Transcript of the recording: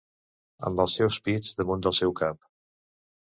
Amb els seus pits damunt del seu cap...